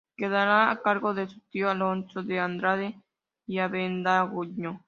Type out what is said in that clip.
Quedará a cargo de su tío, Alonso de Andrade y Avendaño.